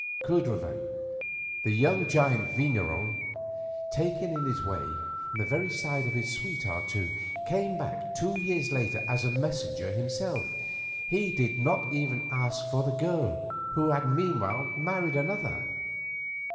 Cudrefin, the young giant vigneron, taken in this way, from the very side of his sweetheart too, came back two years later as a messenger himself. He did not even ask for the girl, who had meanwhile married another.